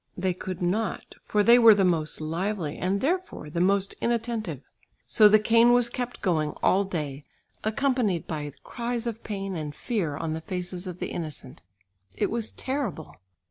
They could not, for they were the most lively and therefore the most inattentive. So the cane was kept going all day, accompanied by cries of pain, and fear on the faces of the innocent. It was terrible!